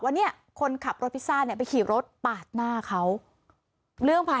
ไม่รู้อ่ะแต่ว่าอีกคนนึงคือแบบว่า